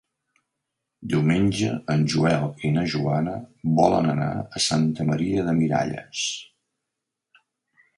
Diumenge en Joel i na Joana volen anar a Santa Maria de Miralles.